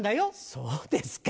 そうですか？